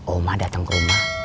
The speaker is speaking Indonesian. oma dateng ke rumah